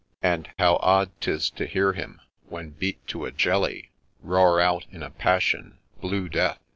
And how odd 'tis to hear him, when beat to a jelly, Roar out, in a passion, ' Blue Death